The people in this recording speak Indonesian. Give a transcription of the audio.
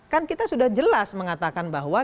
kan kita sudah jelas mengatakan bahwa